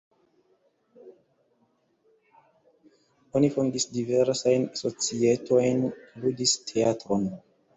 Oni fondis diversajn societojn, ludis teatron.